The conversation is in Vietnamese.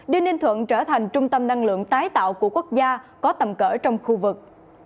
đưa ninh thuận trở thành trung tâm năng lượng tái tạo của quốc gia có tầm cỡ trong khu vực